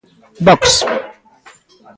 Vox.